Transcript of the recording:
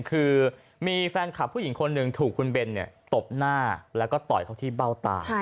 คือมีแฟนคลับผู้หญิงคนหนึ่งถูกคุณเบนตบหน้าแล้วก็ต่อยเขาที่เบ้าตา